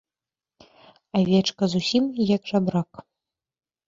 Авечка зусім як жабрак.